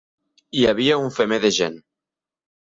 Hi havia un femer de gent.